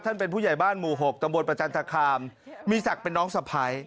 ท่านเป็นผู้ใหญ่บ้านหมู่๖ตรประจันทคามมีศักดิ์เป็นน้องสภัย